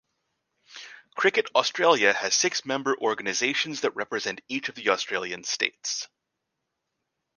Cricket Australia has six member organisations that represent each of the Australian states.